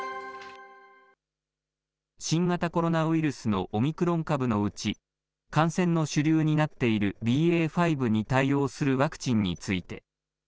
新型コロナウイルスのオミクロン株のうち、感染の主流になっているＢＡ．５に対応するワクチンについて。